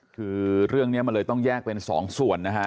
คือเรื่องนี้มันเลยต้องแยกเป็นสองส่วนนะฮะ